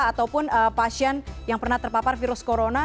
ataupun pasien yang pernah terpapar virus corona